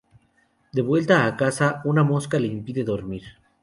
De vuelta a su casa, una mosca le impide dormir.